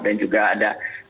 dan juga ada